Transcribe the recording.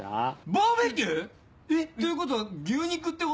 バーベキュー⁉えっということは牛肉ってこと？